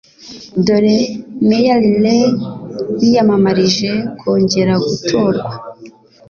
Dore Mayor Riley wiyamamariza kongera gutorwa